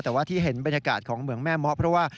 แต่ว่าที่เห็นบรรยากาศของเหมืองแม่เมาะเพราะว่า